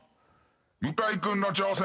向井君の挑戦。